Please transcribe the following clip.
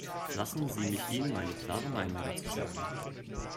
Lassen Sie mich Ihnen meine klare Meinung dazu sagen.